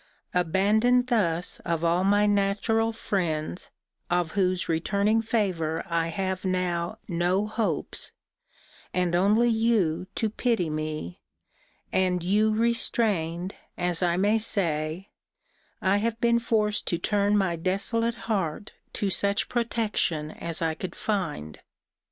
Abandoned thus of all my natural friends, of whose returning favour I have now no hopes, and only you to pity me, and you restrained, as I may say, I have been forced to turn my desolate heart to such protection as I could find.